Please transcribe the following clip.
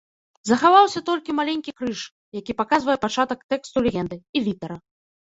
Захаваўся толькі маленькі крыж, які паказвае пачатак тэксту легенды, і літара.